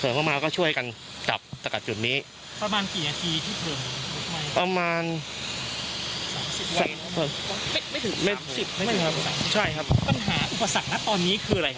มันหาอุปสรรคล้ำตอนนี้คืออะไรครับพี่